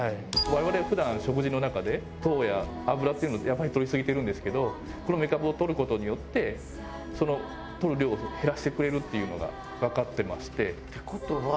我々は普段食事の中で糖や脂っていうのをやはり摂りすぎてるんですけどこのめかぶを摂る事によってその摂る量を減らしてくれるっていうのがわかってまして。